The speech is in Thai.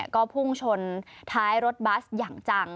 ก็พุ่งชนท้ายรถบัสอย่างจัง